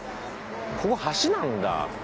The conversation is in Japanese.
ここ橋なんだ。